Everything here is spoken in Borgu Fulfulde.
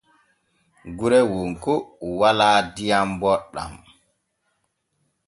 Gure wonko walaa diyam boɗɗam.